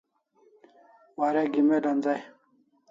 Warek email anzai